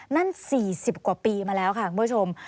นั่น๔๐กว่าปีมาแล้วค่ะคุณผู้ชม